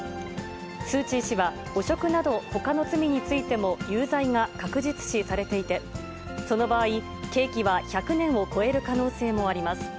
スー・チー氏は、汚職など、ほかの罪についても有罪が確実視されていて、その場合、刑期は１００年を超える可能性もあります。